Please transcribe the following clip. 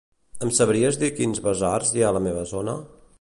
Em sabries dir quins basars hi ha a la meva zona?